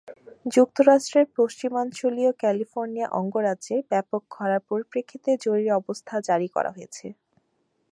যুক্তরাষ্ট্রের পশ্চিমাঞ্চলীয় ক্যালিফোর্নিয়া অঙ্গরাজ্যে ব্যাপক খরার পরিপ্রেক্ষিতে জরুরি অবস্থা জারি করা হয়েছে।